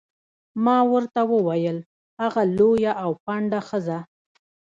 ما ورته وویل: هغه لویه او پنډه ښځه.